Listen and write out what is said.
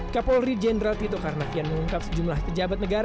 kapolri jenderal tito karnavian mengungkap sejumlah pejabat negara